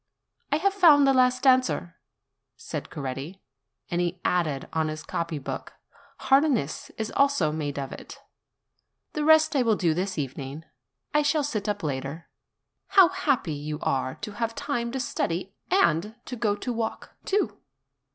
"I have found the last answer," said Coretti ; and he added on his copy book, Harness is also made of it. 'The rest I will do this evening; I shall sit up later. How happy you are, to have time to study and to go to walk, too!"